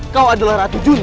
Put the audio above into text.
kau adalah ratu juni